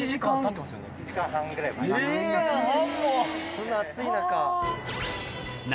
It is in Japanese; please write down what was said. こんな暑い中。